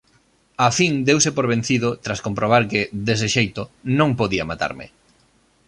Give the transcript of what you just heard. Á fin deuse por vencido, tras comprobar que, dese xeito, non podía matarme.